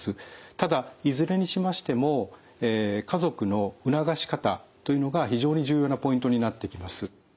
ただいずれにしましても家族の促し方というのが非常に重要なポイントになってきます。